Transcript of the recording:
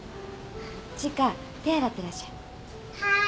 千賀手洗ってらっしゃい。